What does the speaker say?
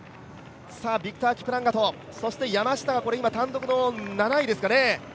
ビクター・キプランガト、そして山下は今、単独の７位ですかね。